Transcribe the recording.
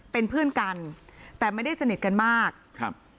เป็นเพื่อนกันแต่ไม่ได้สนิทกันมากครับ